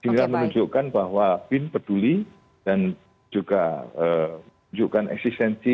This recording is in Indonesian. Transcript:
sehingga menunjukkan bahwa bin peduli dan juga menunjukkan eksistensi